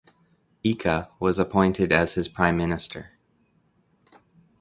Ika was appointed as his prime minister.